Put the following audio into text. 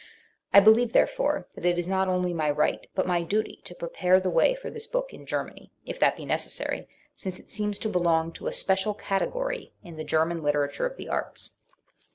I believe, therefore, that it is not only my right but my duty to prepare the way for this book in Germany if that be necessary since it seems to belong to a special category in the German literature of the arts.